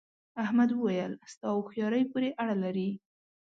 احمد وويل: ستا هوښیارۍ پورې اړه لري.